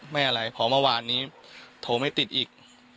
ฟังเสียงลูกจ้างรัฐตรเนธค่ะ